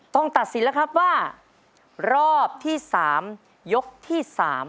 ตัดสินแล้วครับว่ารอบที่๓ยกที่๓